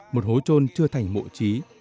một hố trôn chưa thành mộ trí